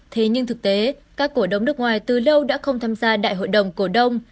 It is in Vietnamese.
thế nhưng thực tế các cổ đông nước ngoài từ lâu đã không tham gia đại hội đồng cổ đông